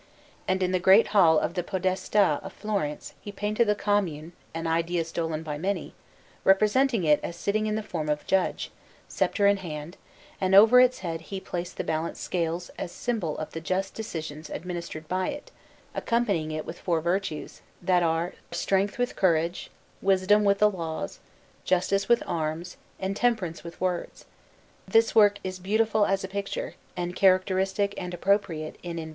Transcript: And in the Great Hall of the Podestà of Florence he painted the Commune (an idea stolen by many), representing it as sitting in the form of Judge, sceptre in hand, and over its head he placed the balanced scales as symbol of the just decisions administered by it, accompanying it with four Virtues, that are, Strength with courage, Wisdom with the laws, Justice with arms, and Temperance with words; this work is beautiful as a picture, and characteristic and appropriate in invention.